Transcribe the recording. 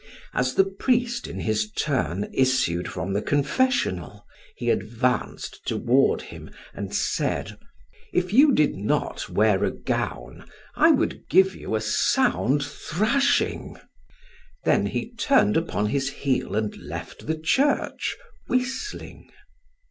As the priest in his turn issued from the confessional, he advanced toward him and said: "If you did not wear a gown, I would give you a sound thrashing." Then he turned upon his heel and left the church whistling.